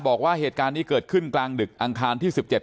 บอกว่าเหตุการณ์นี้เกิดขึ้นกลางดึกอังคารที่๑๗